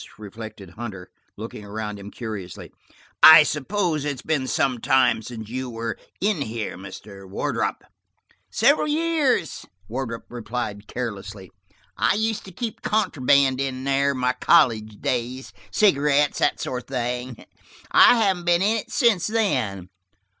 reflected Hunter, looking around him curiously. "I suppose it has been some time since you were in here, Mr. Wardrop?" "Several years," Wardrop replied carelessly. "I used to keep contraband here in my college days, cigarettes and that sort of thing. I haven't been in it since then."